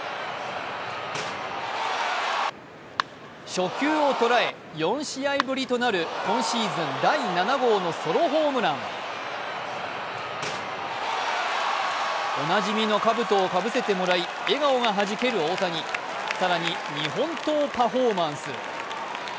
初球を捉え４試合ぶりとなる今シーズン第７号のソロホームランおなじみのかぶとをかぶせてもらい笑顔がはじける大谷更に日本刀パフォーマンス。